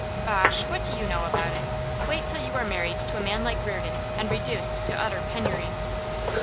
'Bosh! What do you know about it? Wait till you are married to a man like Reardon, and reduced to utter penury.